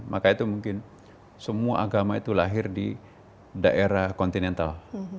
maka itu mungkin semua agama itu lahir di daerah kontinental